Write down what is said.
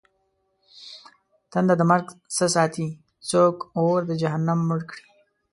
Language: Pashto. تنده د مرگ څه ساتې؟! څوک اور د جهنم مړ کړي؟!